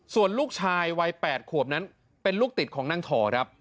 ส่วนลูกชายวัย๘ขวบนั้นเป็นลูกติดของนางถอครับ